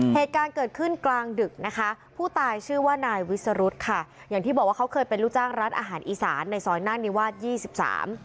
เหตุการณ์เกิดขึ้นกลางดึกนะคะผู้ตายชื่อว่านายวิสรุธค่ะอย่างที่บอกว่าเขาเคยเป็นลูกจ้างร้านอาหารอีสานในซอยนาคนิวาสยี่สิบสาม